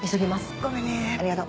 ごめんねありがとう。